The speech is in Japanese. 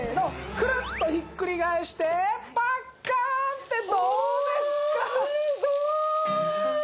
くるっとひっくり返してパッカーン！ってどうですか？